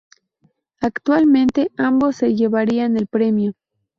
Actualmente, ambos se llevarían el premio.